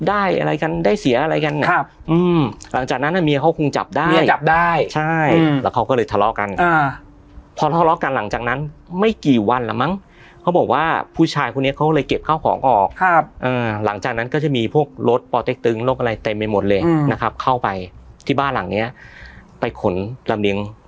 ได้อะไรกันได้เสียอะไรกันครับอืมหลังจากนั้นอ่ะเมียเขาคงจับได้เมียจับได้ใช่แล้วเขาก็เลยทะเลาะกันอ่าพอทะเลาะกันหลังจากนั้นไม่กี่วันละมั้งเขาบอกว่าผู้ชายคนนี้เขาเลยเก็บข้าวของออกครับอ่าหลังจากนั้นก็จะมีพวกรถปอเต็กตึงโรคอะไรเต็มไปหมดเลยนะครับเข้าไปที่บ้านหลังเนี้ยไปขนลำเรียง